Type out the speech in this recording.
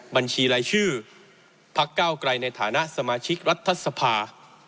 บัญชีรายชื่อพักเก้าไกลในฐานะสมาชิกรัฐสภา